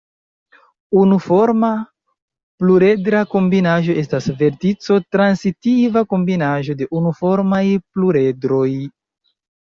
Unuforma pluredra kombinaĵo estas vertico-transitiva kombinaĵo de unuformaj pluredroj.